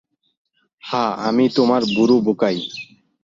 হ্যাঁ, আমি তো তোমার বুড়ো বোকাই।